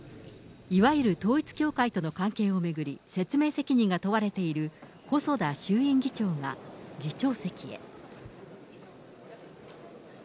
いわゆる統一教会との関係を巡り、説明責任が問われている細田衆院議長が、議長席へ。